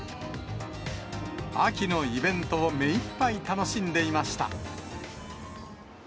秋のイベントを目いっぱい楽しんでいました。